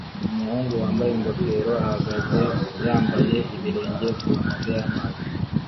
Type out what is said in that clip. Umuhungu wambaye ingofero ahagaze yambaye ibirenge ku nkombe y'amazi